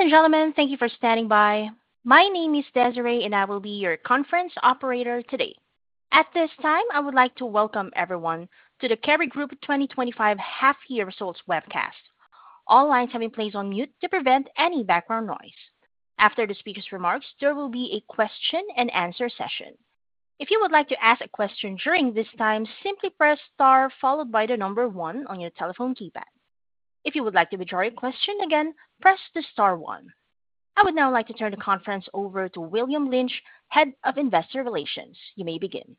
Ladies and gentlemen, thank you for standing by. My name is Desiree, and I will be your conference operator today. At this time, I would like to welcome everyone to the Kerry Group 2025 half-year results webcast. All lines have been placed on mute to prevent any background noise. After the speakers' remarks, there will be a question-and-answer session. If you would like to ask a question during this time, simply press star followed by the number one on your telephone keypad. If you would like to withdraw your question again, press the star one. I would now like to turn the conference over to William Lynch, Head of Investor Relations. You may begin.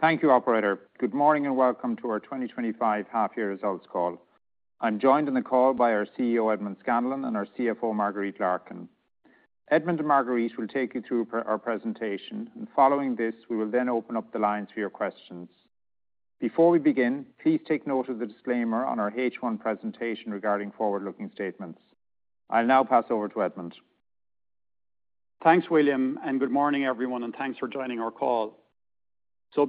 Thank you, Operator. Good morning and welcome to our 2025 half-year results call. I'm joined in the call by our CEO, Edmond Scanlon, and our CFO, Marguerite Larkin. Edmond and Marguerite will take you through our presentation, and following this, we will then open up the lines for your questions. Before we begin, please take note of the disclaimer on our H1 presentation regarding forward-looking statements. I'll now pass over to Edmond. Thanks, William, and good morning, everyone, and thanks for joining our call.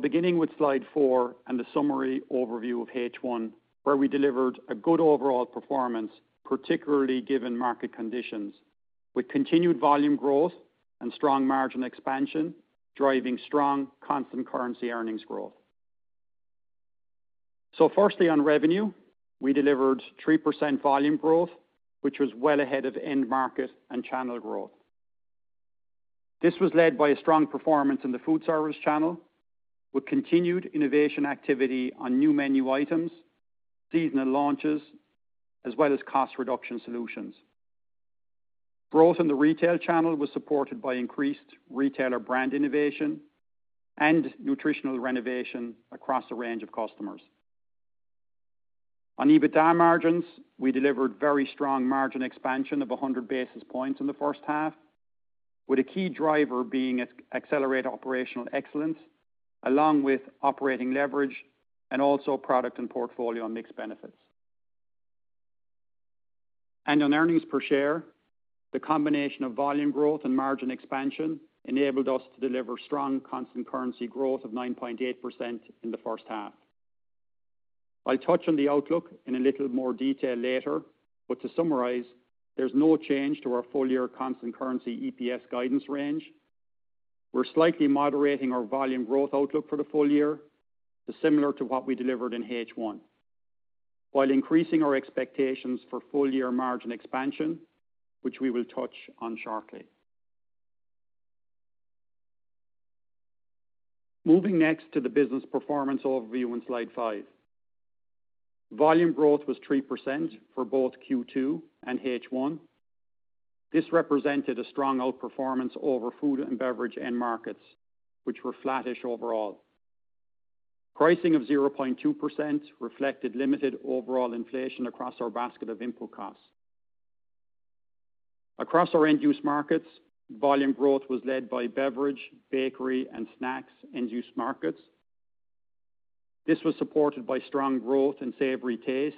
Beginning with slide four and the summary overview of H1, where we delivered a good overall performance, particularly given market conditions, with continued volume growth and strong margin expansion driving strong, constant currency earnings growth. Firstly, on revenue, we delivered 3% volume growth, which was well ahead of end-market and channel growth. This was led by a strong performance in the food service channel, with continued innovation activity on new menu items, seasonal launches, as well as cost-reduction solutions. Growth in the retail channel was supported by increased retailer brand innovation and nutritional renovation across the range of customers. On EBITDA margins, we delivered very strong margin expansion of 100 basis points in the first half, with a key driver being accelerated operational excellence, along with operating leverage and also product and portfolio mix benefits. On earnings per share, the combination of volume growth and margin expansion enabled us to deliver strong, constant currency growth of 9.8% in the first half. I will touch on the outlook in a little more detail later, but to summarize, there is no change to our full-year constant currency EPS guidance range. We are slightly moderating our volume growth outlook for the full year, similar to what we delivered in H1, while increasing our expectations for full-year margin expansion, which we will touch on shortly. Moving next to the business performance overview in slide five. Volume growth was 3% for both Q2 and H1. This represented a strong outperformance over food and beverage end markets, which were flattish overall. Pricing of 0.2% reflected limited overall inflation across our basket of input costs. Across our end-use markets, volume growth was led by beverage, bakery, and snacks end-use markets. This was supported by strong growth in savory taste,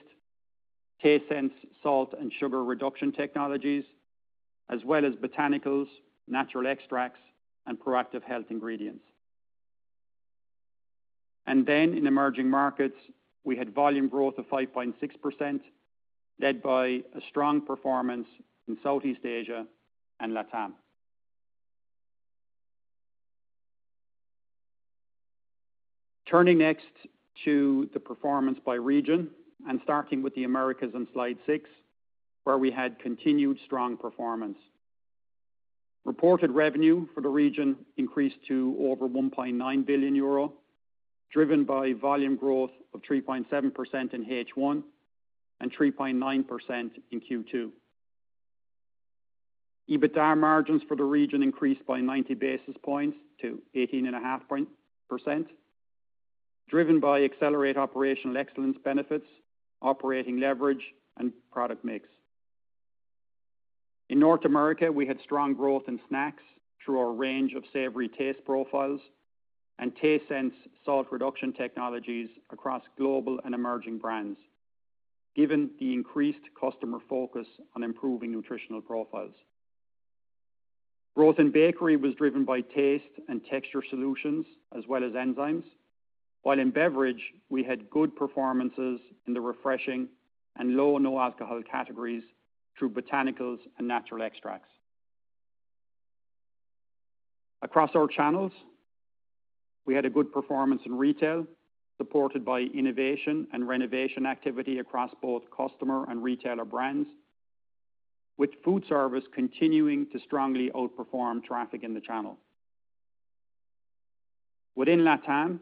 taste sense, salt and sugar reduction technologies, as well as botanicals, natural extracts, and proactive health ingredients. In emerging markets, we had volume growth of 5.6%, led by a strong performance in Southeast Asia and LatAm. Turning next to the performance by region, and starting with the Americas in slide six, where we had continued strong performance. Reported revenue for the region increased to over 1.9 billion euro, driven by volume growth of 3.7% in H1 and 3.9% in Q2. EBITDA margins for the region increased by 90 basis points to 18.5%. Driven by accelerated operational excellence benefits, operating leverage, and product mix. In North America, we had strong growth in snacks through our range of savory taste profiles and taste sense salt reduction technologies across global and emerging brands, given the increased customer focus on improving nutritional profiles. Growth in bakery was driven by taste and texture solutions, as well as enzymes, while in beverage, we had good performances in the refreshing and low no alcohol categories through botanicals and natural extracts. Across our channels, we had a good performance in retail, supported by innovation and renovation activity across both customer and retailer brands, with food service continuing to strongly outperform traffic in the channel. Within LatAm,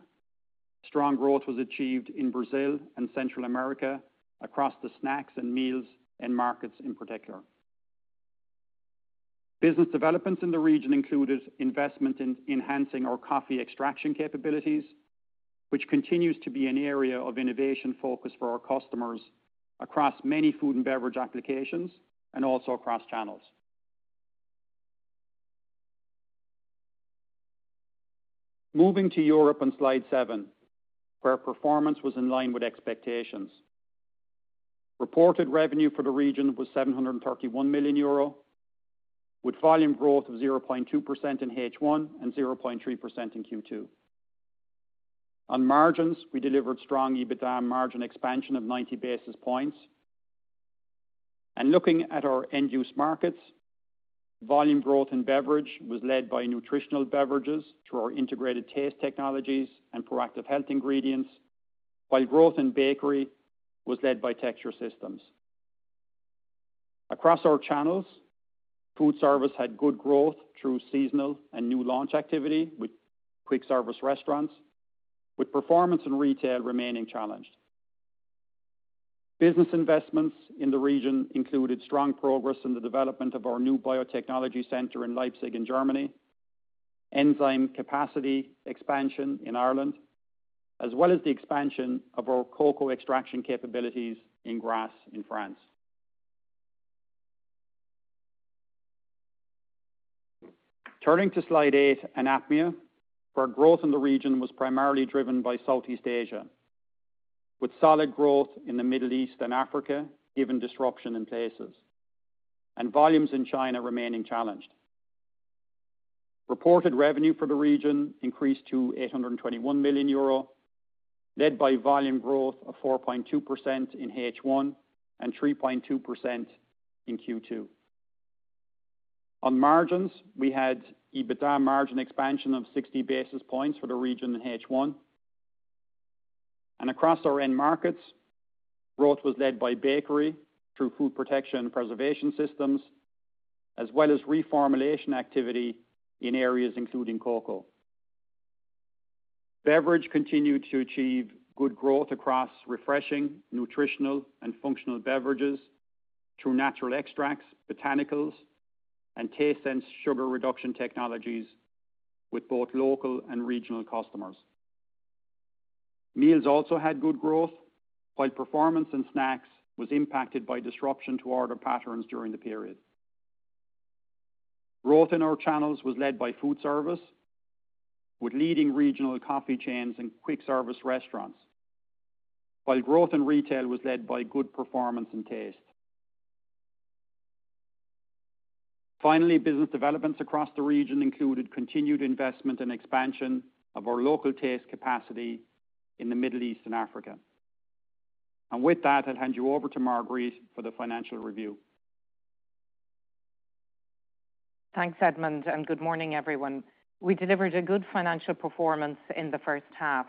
strong growth was achieved in Brazil and Central America across the snacks and meals end markets in particular. Business developments in the region included investment in enhancing our coffee extraction capabilities, which continues to be an area of innovation focus for our customers across many food and beverage applications and also across channels. Moving to Europe on slide seven, where performance was in line with expectations. Reported revenue for the region was 731 million euro. With volume growth of 0.2% in H1 and 0.3% in Q2. On margins, we delivered strong EBITDA margin expansion of 90 basis points. Looking at our end-use markets, volume growth in beverage was led by nutritional beverages through our integrated taste technologies and proactive health ingredients, while growth in bakery was led by texture systems. Across our channels, food service had good growth through seasonal and new launch activity with quick service restaurants, with performance in retail remaining challenged. Business investments in the region included strong progress in the development of our new biotechnology center in Leipzig in Germany, enzyme capacity expansion in Ireland, as well as the expansion of our cocoa extraction capabilities in Grasse in France. Turning to slide eight, APMEA, where growth in the region was primarily driven by Southeast Asia, with solid growth in the Middle East and Africa, given disruption in places, and volumes in China remaining challenged. Reported revenue for the region increased to 821 million euro, led by volume growth of 4.2% in H1 and 3.2% in Q2. On margins, we had EBITDA margin expansion of 60 basis points for the region in H1. Across our end markets, growth was led by bakery through food protection and preservation systems, as well as reformulation activity in areas including cocoa. Beverage continued to achieve good growth across refreshing, nutritional, and functional beverages through natural extracts, botanicals, and taste sense sugar reduction technologies with both local and regional customers. Meals also had good growth, while performance in snacks was impacted by disruption to order patterns during the period. Growth in our channels was led by food service, with leading regional coffee chains and quick service restaurants. Growth in retail was led by good performance in taste. Finally, business developments across the region included continued investment and expansion of our local taste capacity in the Middle East and Africa. With that, I'll hand you over to Marguerite for the financial review. Thanks, Edmond, and good morning, everyone. We delivered a good financial performance in the first half.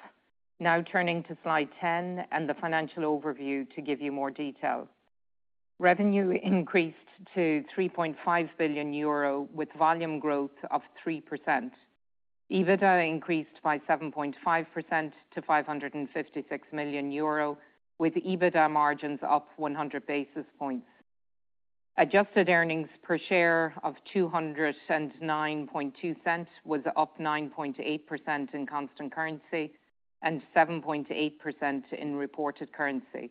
Now turning to slide 10 and the financial overview to give you more detail. Revenue increased to 3.5 billion euro with volume growth of 3%. EBITDA increased by 7.5% to 556 million euro, with EBITDA margins up 100 basis points. Adjusted earnings per share of 2.092 was up 9.8% in constant currency and 7.8% in reported currency.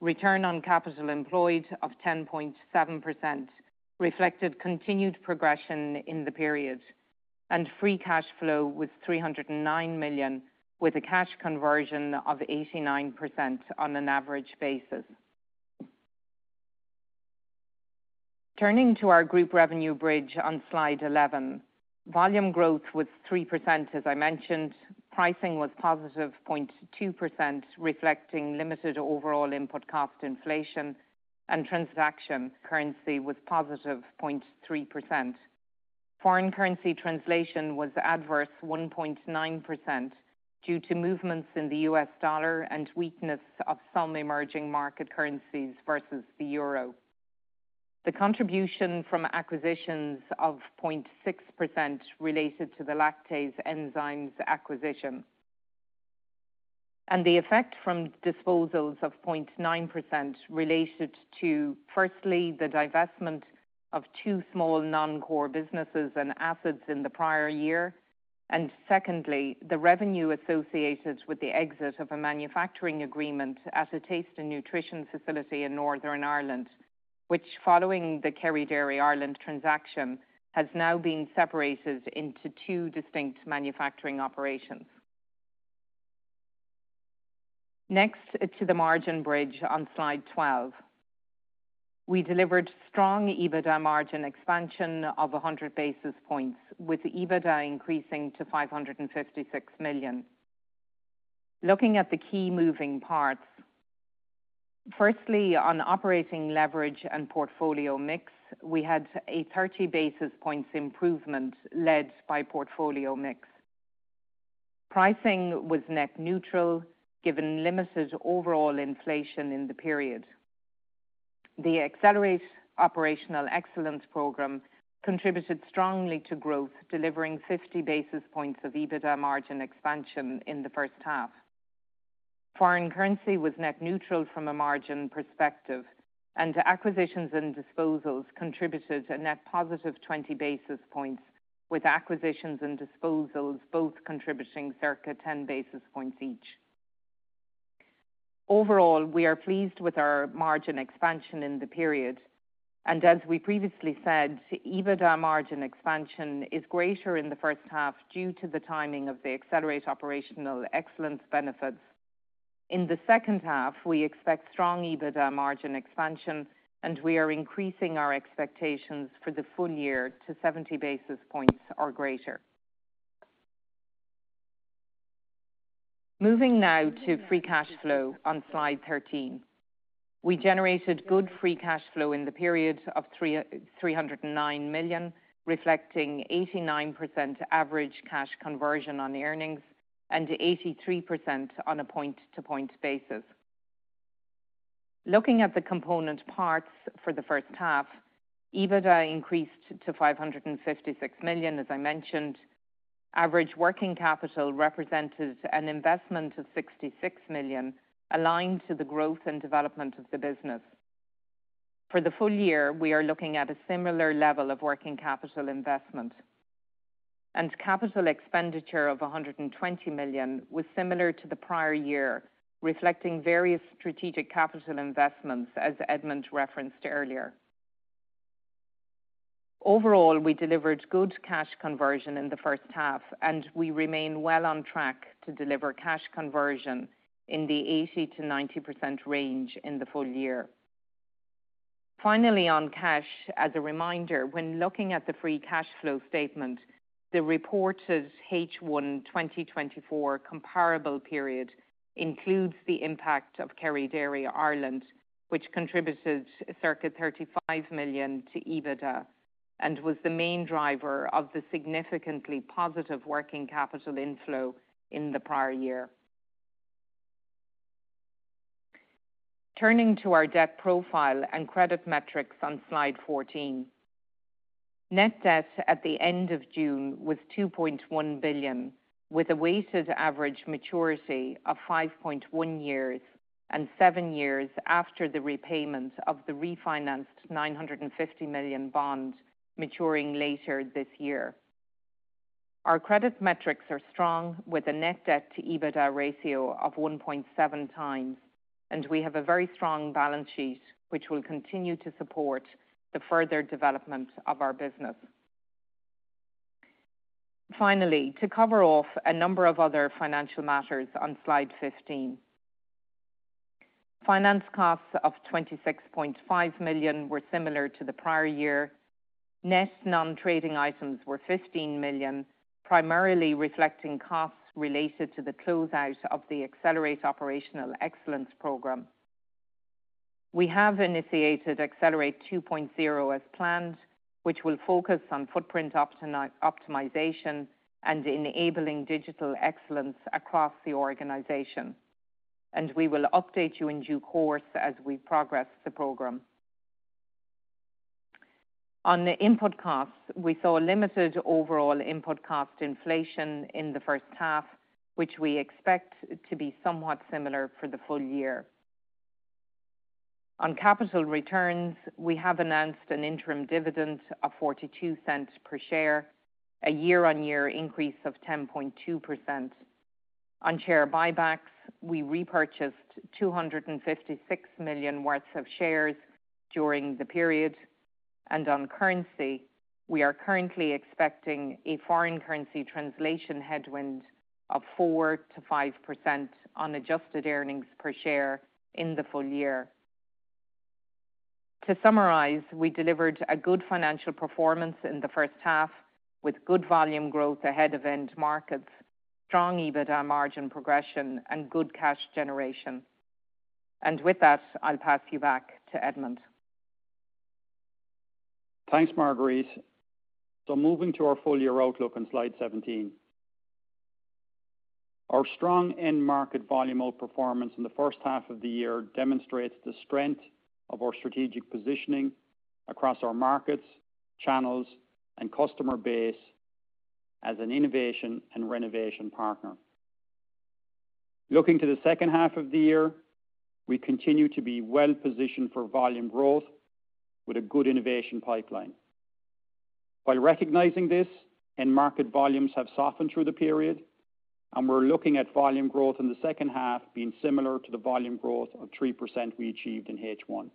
Return on capital employed of 10.7% reflected continued progression in the period. Free cash flow was 309 million, with a cash conversion of 89% on an average basis. Turning to our group revenue bridge on slide 11, volume growth was 3%, as I mentioned. Pricing was positive 0.2%, reflecting limited overall input cost inflation and transaction currency was positive 0.3%. Foreign currency translation was adverse 1.9% due to movements in the U.S. dollar and weakness of some emerging market currencies versus the euro. The contribution from acquisitions of 0.6% related to the lactase enzymes acquisition. The effect from disposals of 0.9% related to, firstly, the divestment of two small non-core businesses and assets in the prior year, and secondly, the revenue associated with the exit of a manufacturing agreement at a taste and nutrition facility in Northern Ireland, which, following the Kerry Dairy Ireland transaction, has now been separated into two distinct manufacturing operations. Next to the margin bridge on slide 12. We delivered strong EBITDA margin expansion of 100 basis points, with EBITDA increasing to 556 million. Looking at the key moving parts. Firstly, on operating leverage and portfolio mix, we had a 30 basis points improvement led by portfolio mix. Pricing was net neutral, given limited overall inflation in the period. The accelerated operational excellence program contributed strongly to growth, delivering 50 basis points of EBITDA margin expansion in the first half. Foreign currency was net neutral from a margin perspective, and acquisitions and disposals contributed a net positive 20 basis points, with acquisitions and disposals both contributing circa 10 basis points each. Overall, we are pleased with our margin expansion in the period. As we previously said, EBITDA margin expansion is greater in the first half due to the timing of the accelerated operational excellence benefits. In the second half, we expect strong EBITDA margin expansion, and we are increasing our expectations for the full year to 70 basis points or greater. Moving now to free cash flow on slide 13. We generated good free cash flow in the period of 309 million, reflecting 89% average cash conversion on earnings and 83% on a point-to-point basis. Looking at the component parts for the first half, EBITDA increased to 556 million, as I mentioned. Average working capital represented an investment of 66 million, aligned to the growth and development of the business. For the full year, we are looking at a similar level of working capital investment. Capital expenditure of 120 million was similar to the prior year, reflecting various strategic capital investments, as Edmond referenced earlier. Overall, we delivered good cash conversion in the first half, and we remain well on track to deliver cash conversion in the 80%-90% range in the full year. Finally, on cash, as a reminder, when looking at the free cash flow statement, the reported H1 2024 comparable period includes the impact of Kerry Dairy Ireland, which contributed circa 35 million to EBITDA and was the main driver of the significantly positive working capital inflow in the prior year. Turning to our debt profile and credit metrics on slide 14. Net debt at the end of June was 2.1 billion, with a weighted average maturity of 5.1 years and 7 years after the repayment of the refinanced 950 million bond maturing later this year. Our credit metrics are strong, with a net debt to EBITDA ratio of 1.7 times, and we have a very strong balance sheet, which will continue to support the further development of our business. Finally, to cover off a number of other financial matters on slide 15. Finance costs of 26.5 million were similar to the prior year. Net non-trading items were 15 million, primarily reflecting costs related to the closeout of the accelerated operational excellence program. We have initiated Accelerate 2.0 as planned, which will focus on footprint optimization and enabling digital excellence across the organization. We will update you in due course as we progress the program. On the input costs, we saw limited overall input cost inflation in the first half, which we expect to be somewhat similar for the full year. On capital returns, we have announced an interim dividend of 0.42 per share, a year on year increase of 10.2%. On share buybacks, we repurchased 256 million worth of shares during the period. On currency, we are currently expecting a foreign currency translation headwind of 4%-5% on adjusted earnings per share in the full year. To summarize, we delivered a good financial performance in the first half, with good volume growth ahead of end markets, strong EBITDA margin progression, and good cash generation. With that, I'll pass you back to Edmond. Thanks, Marguerite. Moving to our full year outlook on slide 17. Our strong end market volume outperformance in the first half of the year demonstrates the strength of our strategic positioning across our markets, channels, and customer base as an innovation and renovation partner. Looking to the second half of the year, we continue to be well positioned for volume growth with a good innovation pipeline. While recognizing this, end market volumes have softened through the period. We are looking at volume growth in the second half being similar to the volume growth of 3% we achieved in H1.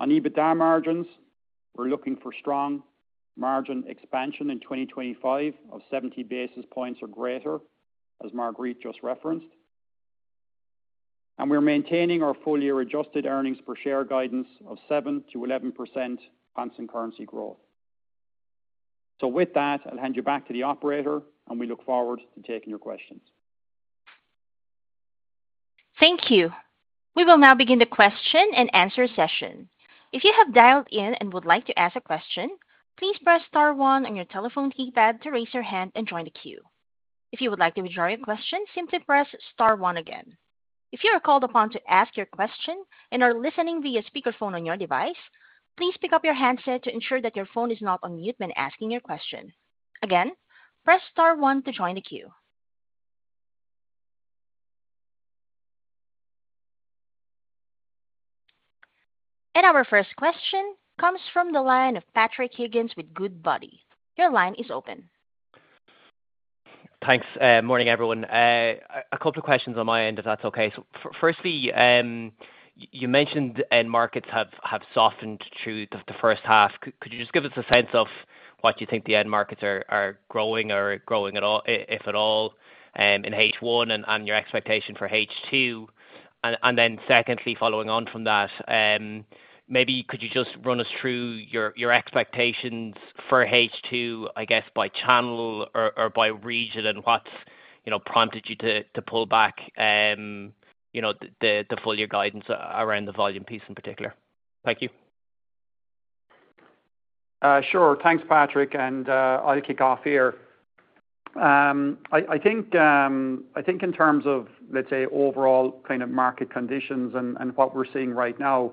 On EBITDA margins, we are looking for strong margin expansion in 2025 of 70 basis points or greater, as Marguerite just referenced. We are maintaining our full year adjusted earnings per share guidance of 7%-11% constant currency growth. With that, I will hand you back to the operator, and we look forward to taking your questions. Thank you. We will now begin the question and answer session. If you have dialed in and would like to ask a question, please press star one on your telephone keypad to raise your hand and join the queue. If you would like to withdraw your question, simply press star one again. If you are called upon to ask your question and are listening via speakerphone on your device, please pick up your handset to ensure that your phone is not on mute when asking your question. Again, press star one to join the queue. Our first question comes from the line of Patrick Higgins with Goodbody. Your line is open. Thanks. Morning, everyone. A couple of questions on my end, if that's okay. Firstly, you mentioned end markets have softened through the first half. Could you just give us a sense of what you think the end markets are growing or growing at all, if at all, in H1 and your expectation for H2? Secondly, following on from that, maybe could you just run us through your expectations for H2, I guess, by channel or by region, and what prompted you to pull back the full year guidance around the volume piece in particular? Thank you. Sure. Thanks, Patrick. I'll kick off here. I think in terms of, let's say, overall kind of market conditions and what we're seeing right now,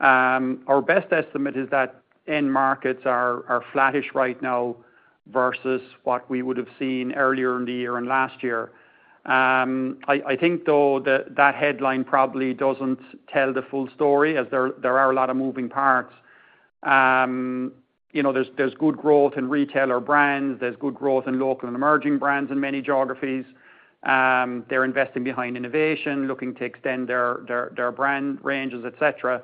our best estimate is that end markets are flattish right now versus what we would have seen earlier in the year and last year. I think, though, that headline probably does not tell the full story, as there are a lot of moving parts. There is good growth in retailer brands. There is good growth in local and emerging brands in many geographies. They are investing behind innovation, looking to extend their brand ranges, et cetera.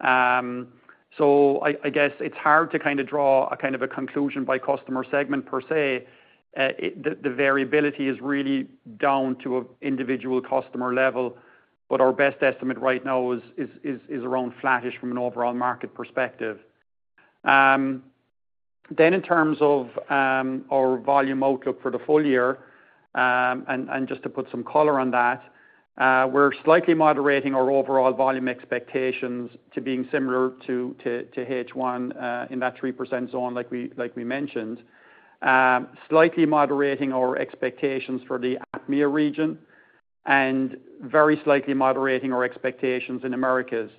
I guess it is hard to kind of draw a conclusion by customer segment per se. The variability is really down to an individual customer level. Our best estimate right now is around flattish from an overall market perspective. In terms of our volume outlook for the full year, and just to put some color on that, we are slightly moderating our overall volume expectations to being similar to H1 in that 3% zone, like we mentioned. We are slightly moderating our expectations for the APMEA region and very slightly moderating our expectations in Americas.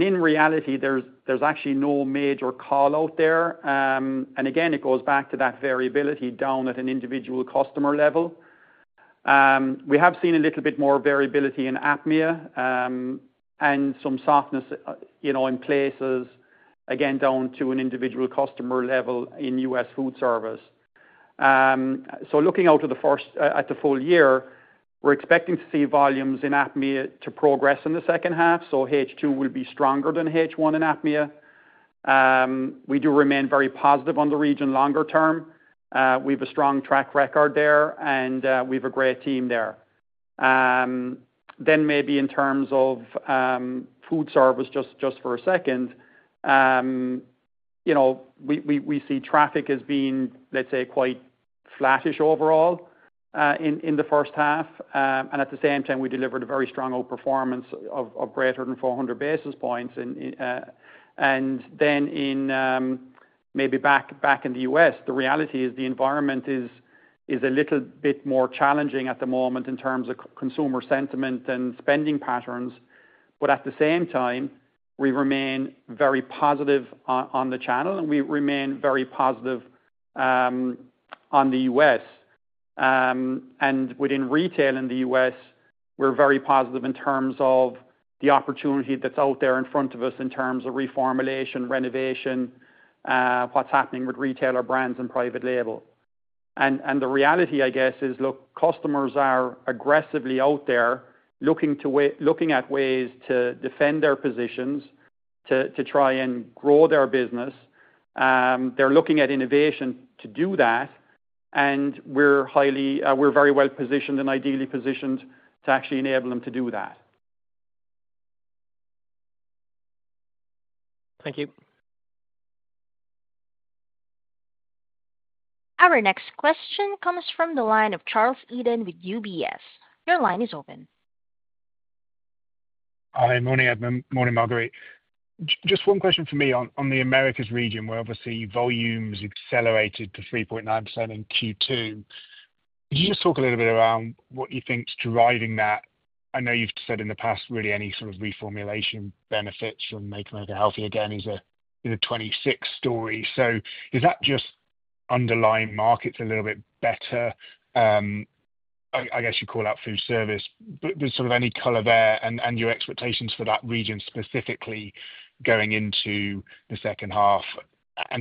In reality, there is actually no major callout there. It goes back to that variability down at an individual customer level. We have seen a little bit more variability in APMEA and some softness in places, again, down to an individual customer level in U.S. food service. Looking out at the full year, we are expecting to see volumes in APMEA to progress in the second half. H2 will be stronger than H1 in APMEA. We do remain very positive on the region longer term. We have a strong track record there, and we have a great team there. Maybe in terms of food service, just for a second, we see traffic as being, let's say, quite flattish overall in the first half. At the same time, we delivered a very strong outperformance of greater than 400 basis points. Maybe back in the U.S., the reality is the environment is a little bit more challenging at the moment in terms of consumer sentiment and spending patterns. At the same time, we remain very positive on the channel, and we remain very positive on the US. Within retail in the U.S., we are very positive in terms of the opportunity that is out there in front of us in terms of reformulation, renovation, what is happening with retailer brands and private label. The reality, I guess, is customers are aggressively out there looking at ways to defend their positions, to try and grow their business. They are looking at innovation to do that, and we are very well positioned and ideally positioned to actually enable them to do that. Thank you. Our next question comes from the line of Charles Eden with UBS. Your line is open. Hi, morning, Edmond. Morning, Marguerite. Just one question for me on the Americas region, where obviously volumes accelerated to 3.9% in Q2. Could you just talk a little bit around what you think's driving that? I know you've said in the past, really, any sort of reformulation benefits from making America healthy again is a 26 story. Is that just underlying markets a little bit better? I guess you'd call out food service. Is there any color there and your expectations for that region specifically going into the second half?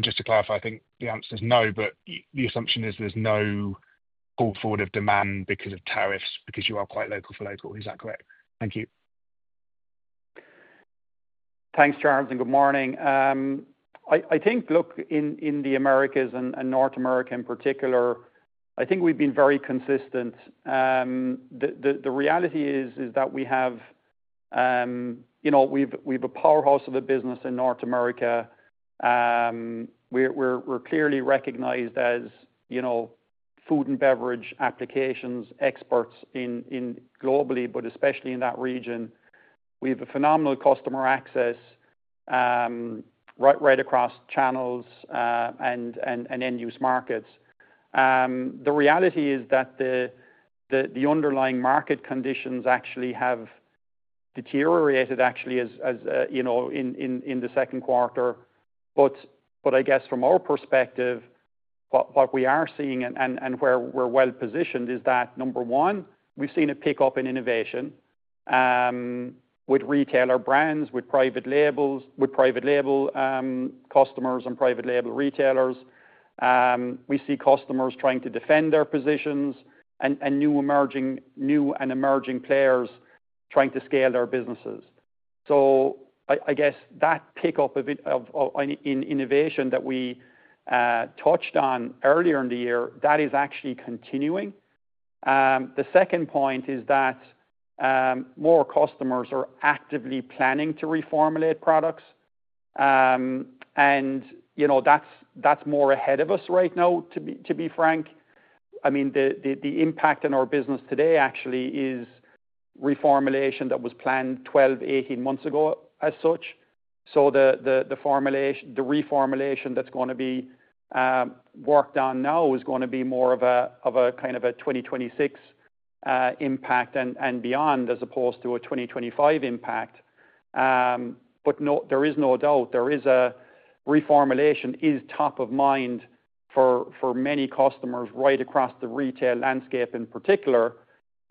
Just to clarify, I think the answer is no, but the assumption is there's no pull forward of demand because of tariffs because you are quite local for local. Is that correct? Thank you. Thanks, Charles, and good morning. I think, look, in the Americas and North America in particular, I think we've been very consistent. The reality is that we have a powerhouse of a business in North America. We're clearly recognized as food and beverage applications experts globally, but especially in that region. We have a phenomenal customer access right across channels and end-use markets. The reality is that the underlying market conditions actually have deteriorated, actually, in the second quarter. I guess from our perspective, what we are seeing and where we're well positioned is that, number one, we've seen a pickup in innovation with retailer brands, with private label customers and private label retailers. We see customers trying to defend their positions and new and emerging players trying to scale their businesses. I guess that pickup in innovation that we touched on earlier in the year, that is actually continuing. The second point is that more customers are actively planning to reformulate products. And that's more ahead of us right now, to be frank. I mean, the impact on our business today actually is reformulation that was planned 12, 18 months ago as such. The reformulation that's going to be worked on now is going to be more of a kind of a 2026 impact and beyond, as opposed to a 2025 impact. There is no doubt there is a reformulation is top of mind for many customers right across the retail landscape in particular.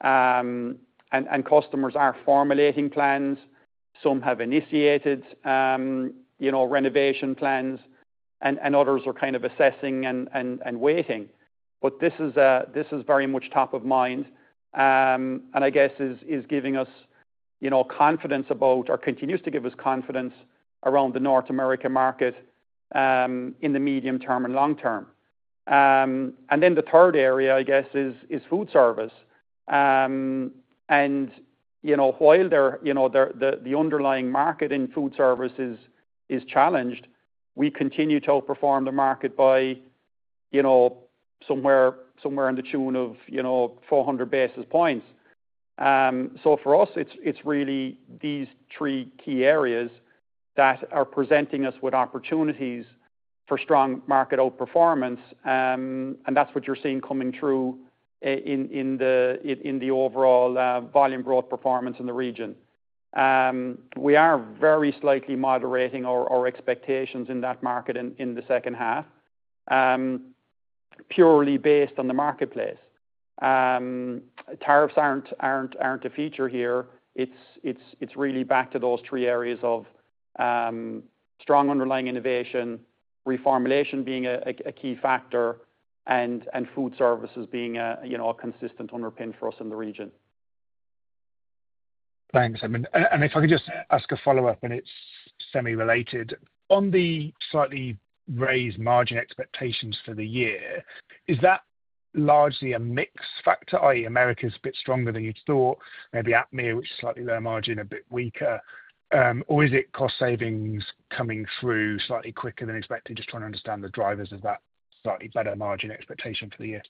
Customers are formulating plans. Some have initiated renovation plans, and others are kind of assessing and waiting. This is very much top of mind. I guess is giving us confidence about or continues to give us confidence around the North America market in the medium term and long term. The third area, I guess, is food service. While the underlying market in food service is challenged, we continue to outperform the market by somewhere in the tune of 400 basis points. For us, it's really these three key areas that are presenting us with opportunities for strong market outperformance. That's what you're seeing coming through in the overall volume growth performance in the region. We are very slightly moderating our expectations in that market in the second half, purely based on the marketplace. Tariffs aren't a feature here. It's really back to those three areas of strong underlying innovation, reformulation being a key factor, and food services being a consistent underpin for us in the region. Thanks, Edmond. If I could just ask a follow-up, and it's semi-related. On the slightly raised margin expectations for the year, is that largely a mix factor? Americas is a bit stronger than you'd thought, maybe APMEA, which is slightly lower margin, a bit weaker or is it cost savings coming through slightly quicker than expected? Just trying to understand the drivers of that slightly better margin expectation for the year.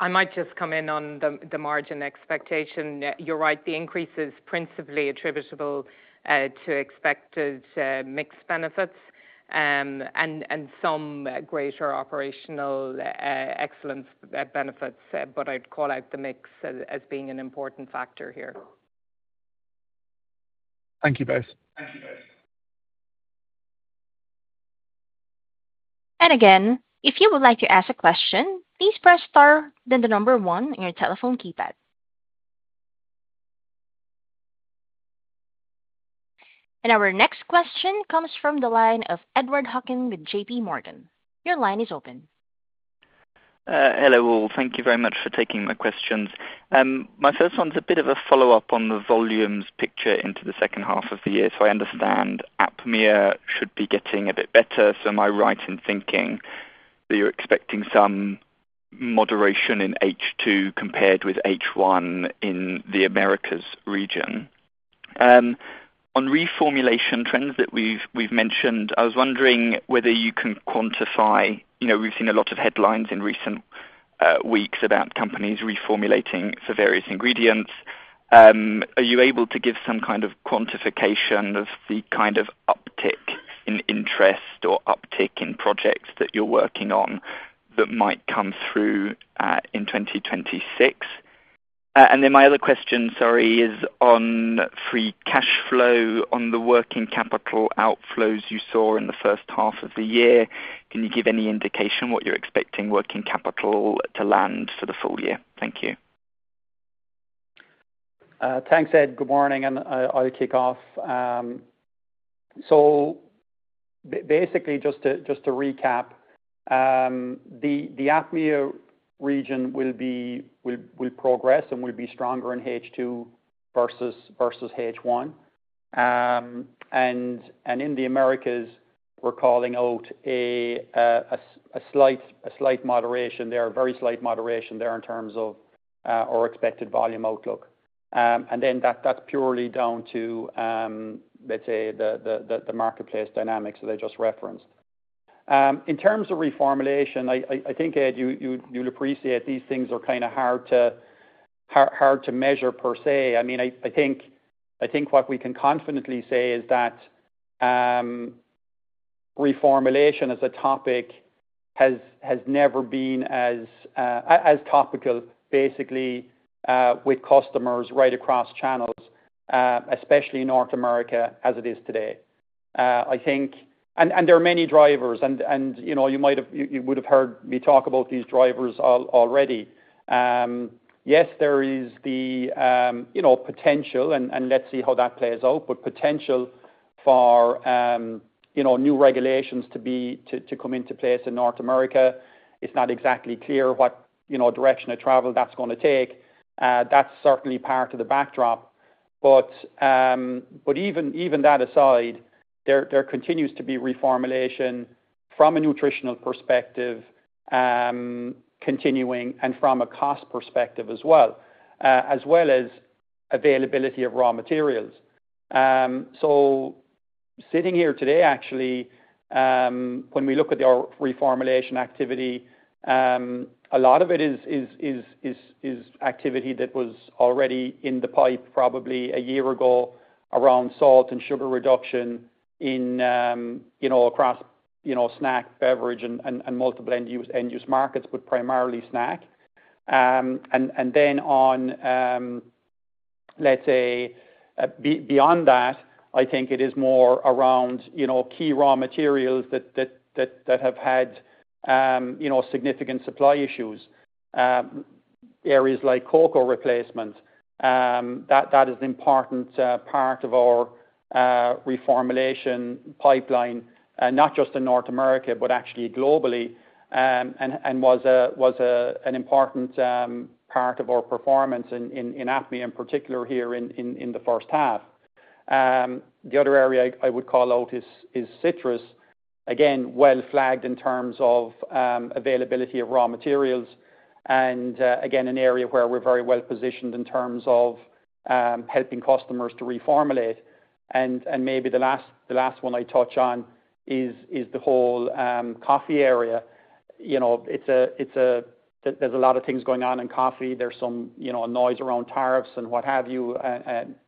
I might just come in on the margin expectation. You're right. The increase is principally attributable to expected mix benefits and some greater operational excellence benefits but I'd call out the mix as being an important factor here. Thank you both. Thank you both. If you would like to ask a question, please press star then the number one on your telephone keypad. Our next question comes from the line of Edward Hockin with J.P. Morgan. Your line is open. Hello, all. Thank you very much for taking my questions. My first one's a bit of a follow-up on the volumes picture into the second half of the year. I understand APMEA should be getting a bit better. Am I right in thinking that you're expecting some moderation in H2 compared with H1 in the Americas region? On reformulation trends that we've mentioned, I was wondering whether you can quantify. We've seen a lot of headlines in recent weeks about companies reformulating for various ingredients. Are you able to give some kind of quantification of the kind of uptick in interest or uptick in projects that you're working on that might come through in 2026? My other question, sorry, is on free cash flow on the working capital outflows you saw in the first half of the year, can you give any indication what you're expecting working capital to land for the full year? Thank you. Thanks, Ed. Good morning. I'll kick off. Basically, just to recap, the APMEA region will progress and will be stronger in H2 versus H1. In the Americas, we're calling out a slight moderation there, a very slight moderation there in terms of our expected volume outlook. That's purely down to, let's say, the marketplace dynamics that I just referenced. In terms of reformulation, I think, Ed, you'll appreciate these things are kind of hard to measure per se. I mean, I think what we can confidently say is that reformulation as a topic has never been as topical, basically, with customers right across channels, especially in North America as it is today. There are many drivers, and you would have heard me talk about these drivers already. Yes, there is the potential, and let's see how that plays out, but potential for new regulations to come into place in North America. It's not exactly clear what direction of travel that's going to take. That's certainly part of the backdrop. Even that aside, there continues to be reformulation from a nutritional perspective continuing, and from a cost perspective as well, as well as availability of raw materials. Sitting here today, actually, when we look at our reformulation activity, a lot of it is activity that was already in the pipe probably a year ago around salt and sugar reduction across snack, beverage, and multiple end-use markets, but primarily snack. On, let's say, beyond that, I think it is more around key raw materials that have had significant supply issues. Areas like cocoa replacement, that is an important part of our reformulation pipeline, not just in North America, but actually globally, and was an important part of our performance in APMEA in particular here in the first half. The other area I would call out is citrus, again, well flagged in terms of availability of raw materials, and again, an area where we're very well positioned in terms of helping customers to reformulate. Maybe the last one I touch on is the whole coffee area. There's a lot of things going on in coffee. There's some noise around tariffs and what have you,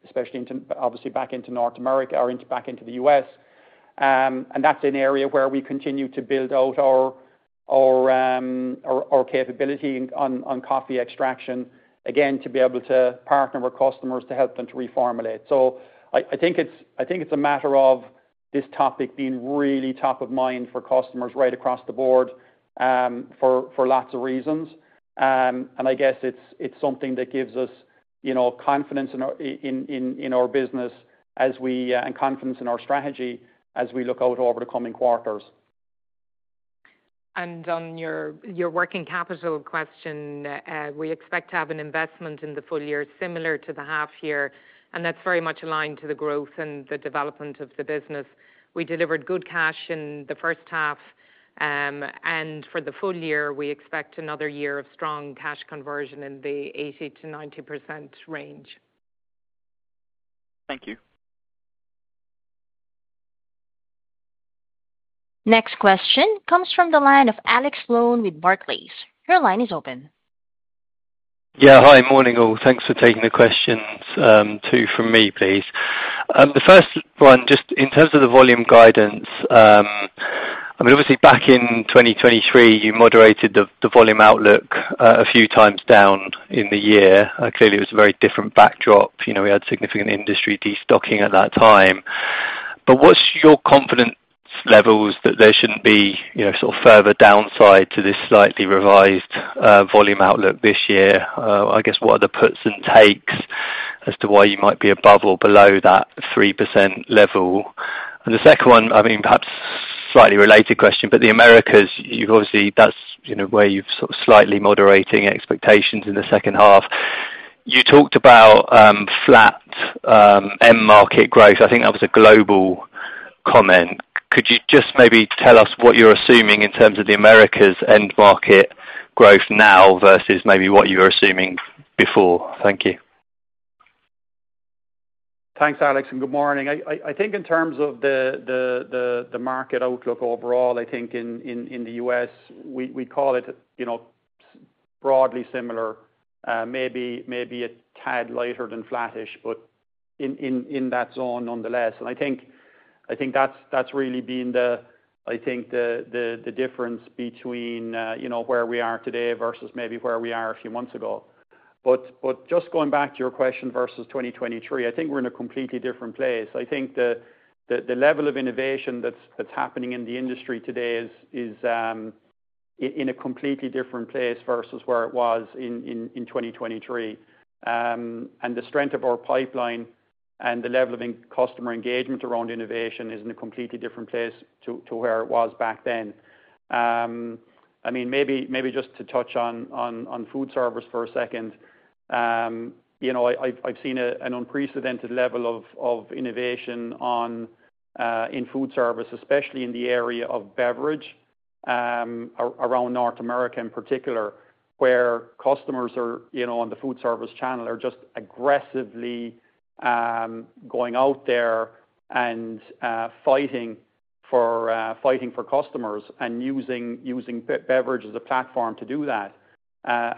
especially obviously back into North America or back into the U.S., and that's an area where we continue to build out our capability on coffee extraction, again, to be able to partner with customers to help them to reformulate. I think it's a matter of this topic being really top of mind for customers right across the board for lots of reasons. I guess it's something that gives us confidence in our business and confidence in our strategy as we look out over the coming quarters. On your working capital question, we expect to have an investment in the full year similar to the half year. That is very much aligned to the growth and the development of the business. We delivered good cash in the first half. For the full year, we expect another year of strong cash conversion in the 80-90% range. Thank you. Next question comes from the line of Alex Lowen with Barclays.Your line is open. Yeah. Hi, morning, all. Thanks for taking the questions. Two from me, please. The first one, just in terms of the volume guidance. I mean, obviously, back in 2023, you moderated the volume outlook a few times down in the year. Clearly, it was a very different backdrop. We had significant industry destocking at that time. What is your confidence level that there should not be sort of further downside to this slightly revised volume outlook this year? I guess, what are the puts and takes as to why you might be above or below that 3% level? The second one, I mean, perhaps slightly related question, but the Americas, obviously, that is where you have sort of slightly moderating expectations in the second half. You talked about flat end-market growth. I think that was a global comment. Could you just maybe tell us what you are assuming in terms of the Americas end-market growth now versus maybe what you were assuming before? Thank you. Thanks, Alex. Good morning. I think in terms of the market outlook overall, I think in the U.S., we call it broadly similar, maybe a tad lighter than flattish, but in that zone nonetheless. I think that's really been the difference between where we are today versus maybe where we were a few months ago. Just going back to your question versus 2023, I think we're in a completely different place. I think the level of innovation that's happening in the industry today is in a completely different place versus where it was in 2023. The strength of our pipeline and the level of customer engagement around innovation is in a completely different place to where it was back then. I mean, maybe just to touch on food service for a second. I've seen an unprecedented level of innovation in food service, especially in the area of beverage around North America in particular, where customers on the food service channel are just aggressively going out there and fighting for customers and using beverage as a platform to do that.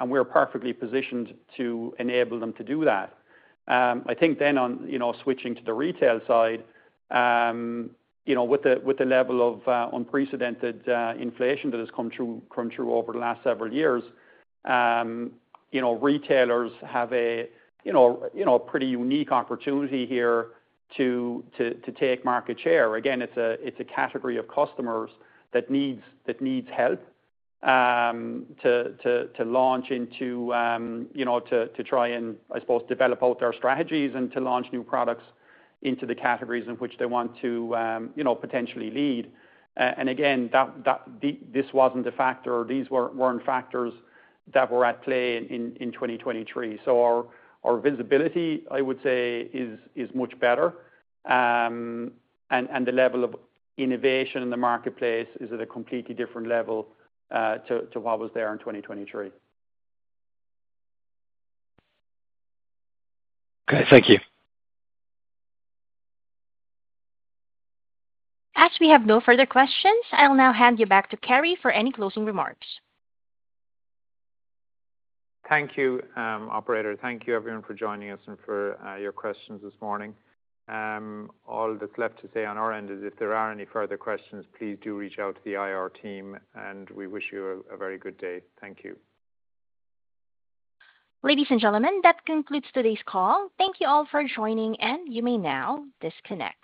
We're perfectly positioned to enable them to do that. I think then on switching to the retail side, with the level of unprecedented inflation that has come through over the last several years, retailers have a pretty unique opportunity here to take market share. Again, it's a category of customers that needs help to launch into, to try and, I suppose, develop out their strategies and to launch new products into the categories in which they want to potentially lead. Again, these weren't factors that were at play in 2023. Our visibility, I would say, is much better, and the level of innovation in the marketplace is at a completely different level to what was there in 2023. Okay. Thank you. As we have no further questions, I'll now hand you back to Kerry for any closing remarks. Thank you, Operator. Thank you, everyone, for joining us and for your questions this morning. All that's left to say on our end is if there are any further questions, please do reach out to the IR team. We wish you a very good day. Thank you. Ladies and gentlemen, that concludes today's call. Thank you all for joining, and you may now disconnect.